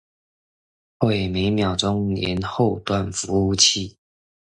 會每秒鐘連後端伺服器